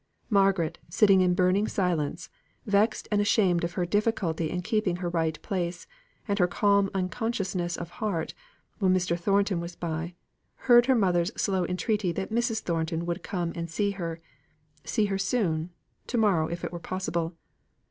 Margaret, sitting in burning silence, vexed and ashamed of her difficulty in keeping her right place, and her calm unconsciousness of heart, when Mr. Thornton was by, heard her mother's slow entreaty that Mrs. Thornton would come and see her; see her soon; to morrow, if it were possible.